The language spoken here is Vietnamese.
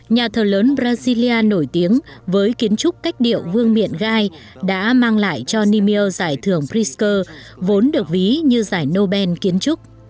nhà thờ lớn brazilya nổi tiếng với kiến trúc cách điệu vương miện gai đã mang lại cho nimil giải thưởng brisk vốn được ví như giải nobel kiến trúc